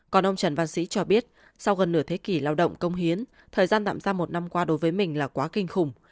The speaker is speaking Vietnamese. còn ông trần văn sĩ cho biết sau gần nửa thế kỷ lao động công hiến thời gian tạm giam một năm qua đối với mình là quá kinh khủng